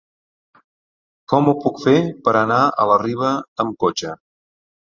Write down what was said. Com ho puc fer per anar a la Riba amb cotxe?